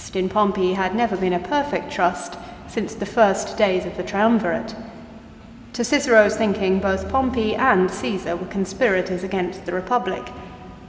His trust in Pompey had never been a perfect trust since the first days of the Triumvirate. To Cicero's thinking both Pompey and Caesar were conspirators against the Eepublic.